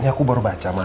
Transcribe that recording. ini aku baru baca ma